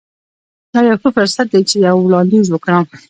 دا یو ښه فرصت دی چې یو وړاندیز وکړم